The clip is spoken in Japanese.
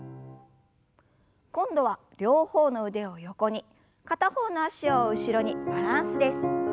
今度は両方の腕を横に片方の脚を後ろにバランスです。